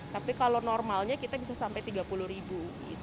tapi kalau normalnya kita bisa sampai tiga puluh ribu